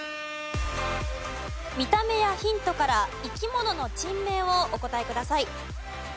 見た目やヒントから生き物の珍名をお答えください。